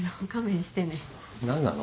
何なの？